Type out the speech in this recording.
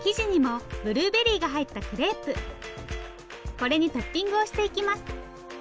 これにトッピングをしていきます。